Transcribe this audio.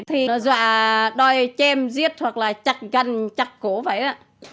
thì nó dọa đòi chêm giết hoặc là chặt gần chặt cổ vậy ạ